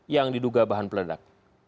yang diduga bahan peledak